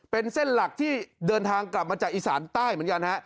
เป็นเส้นหลักที่เดินทางกลับมาจากอีสานใต้เหมือนกันฮะ